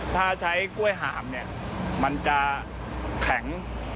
ถ้าใช้กล้วยหามเนี่ยมันจะแข็ง